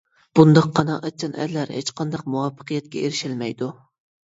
بۇنداق قانائەتچان ئەرلەر ھېچقانداق مۇۋەپپەقىيەتكە ئېرىشەلمەيدۇ.